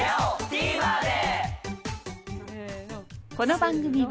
ＴＶｅｒで！